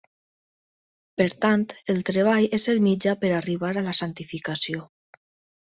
Per tant, el treball és el mitjà per arribar a la santificació.